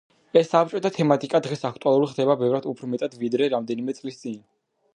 ეს საბჭოთა თემატიკა დღეს აქტუალური ხდება ბევრად უფრო მეტად ვიდრე რამდენიმე წლის წინ.